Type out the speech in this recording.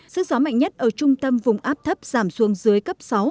sức gió mạnh nhất ở trung tâm vùng áp thấp giảm xuống dưới cấp sáu